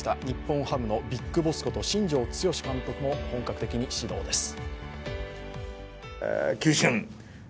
日本ハムのビッグボスこと新庄剛志監督も本格的に始動です。